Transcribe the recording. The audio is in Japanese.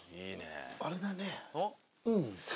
あれだね。